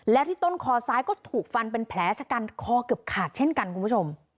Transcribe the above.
และที่ต้นคอซ้ายก็ถูกฟันเป็นแผลชะกันคอเกือบขาดเช่นกันคุณผู้ชม